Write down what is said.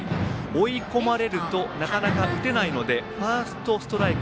追い込まれるとなかなか、打てないのでファーストストライク